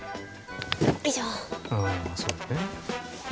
そうよね。